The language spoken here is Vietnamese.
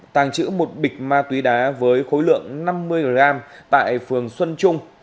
tàng trữ một bịch ma túy đá với khối lượng năm mươi g tại phường xuân trung